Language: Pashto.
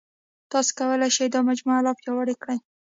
تاسو کولای شئ دا مجموعه لا پیاوړې کړئ.